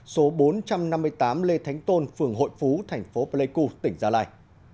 số bốn trăm năm mươi tám lê thánh tôn phường hội phú thành phố pleiku tỉnh gia lai